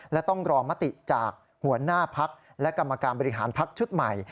และต้องรอมติจากหัวหน้าพักและกรรมการบริหารพักชุดใหม่